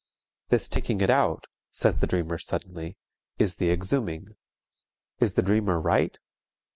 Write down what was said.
"This 'taking it out'," says the dreamer suddenly, "is the exhuming." Is the dreamer right?